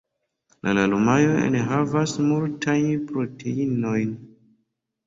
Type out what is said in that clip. La larmoj enhavas multajn proteinojn.